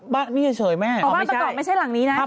อ๋อบ้านประกอบไม่ใช่หลังนี้นะ